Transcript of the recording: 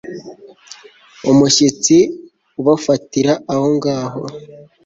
umushyitsi ubafatira aho ngaho